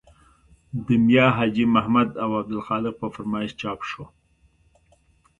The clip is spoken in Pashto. د میا حاجي محمد او عبدالخالق په فرمایش چاپ شو.